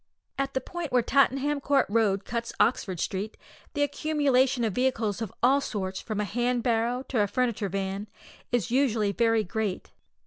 At the point where Tottenham Court Road cuts Oxford Street, the accumulation of vehicles of all sorts, from a hand barrow to a furniture van, is usually very great.